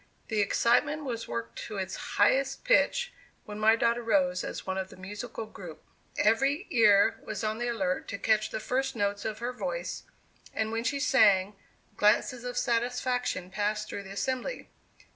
The excitement was worked to its highest pitch when my daughter rose as one of the musical group. Every ear was on the alert to catch the first notes of her voice, and when she sang, glances of satisfaction passed through the assembly.